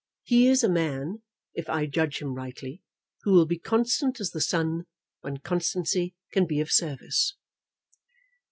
He is a man, if I judge him rightly, who will be constant as the sun, when constancy can be of service."